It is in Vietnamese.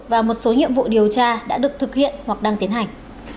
và một số nhiệm vụ điều tra đã được thực hiện hoặc đang tiến hành